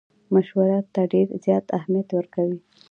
مشورو ته ډېر زیات اهمیت ورکوي.